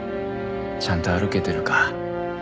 ちゃんと歩けてるか？